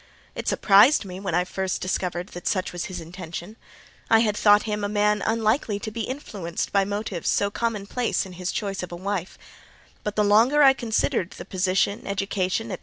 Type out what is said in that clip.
It surprised me when I first discovered that such was his intention: I had thought him a man unlikely to be influenced by motives so commonplace in his choice of a wife; but the longer I considered the position, education, &c.